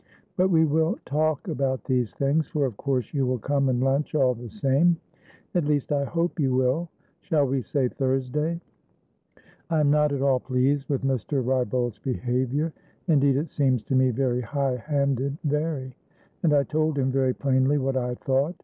But we will talk about these things, for of course you will come and lunch all the same, at least I hope you will. Shall we say Thursday? I am not at all pleased with Mr. Wrybolt's behaviour. Indeed it seems to me very high handed, very! And I told him very plainly what I thought.